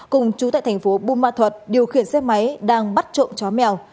cùng chú tại thành phố bù ma thuật điều khiển xe máy đang bắt trộm chó mèo